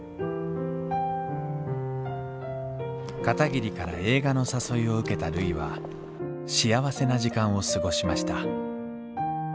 片桐から映画の誘いを受けたるいは幸せな時間を過ごしました